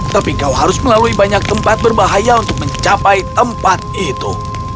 tapi kau harus melalui banyak tempat berbahaya untuk mencapai tempat itu